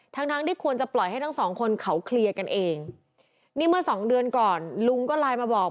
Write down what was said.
ทั้งทั้งที่ควรจะปล่อยให้ทั้งสองคนเขาเคลียร์กันเองนี่เมื่อสองเดือนก่อนลุงก็ไลน์มาบอก